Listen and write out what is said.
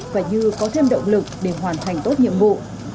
và như có thêm động lực để hoàn thành tốt nhiệm vụ